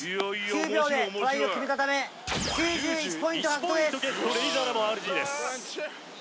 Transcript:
９秒でトライを決めたため９１ポイント獲得ですよしワンチーム